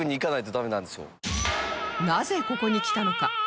なぜここに来たのか？